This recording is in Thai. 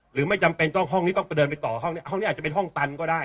ไม่จำเป็นต้องห้องนี้ต้องไปเดินไปต่อห้องเนี่ยห้องนี้อาจจะเป็นห้องตันก็ได้